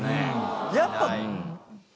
やっぱ。